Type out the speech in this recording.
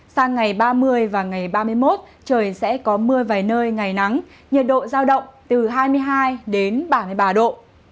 sang ngày ba mươi và ngày ba mươi một trời sẽ có mưa vài nơi ngày nắng nhiệt độ giao động từ hai mươi hai đến ba mươi ba độ